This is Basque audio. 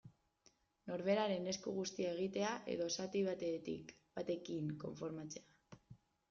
Norberaren esku guztia egitea, edo zati batekin konformatzea.